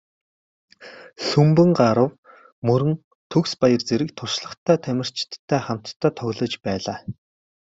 Лхүмбэнгарав, Мөрөн, Төгсбаяр зэрэг туршлагатай тамирчидтай хамтдаа тоглож байлаа.